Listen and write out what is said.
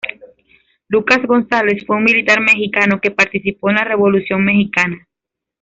Lucas González fue un militar mexicano que participó en la Revolución mexicana.